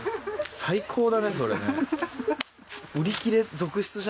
最高だねそれね。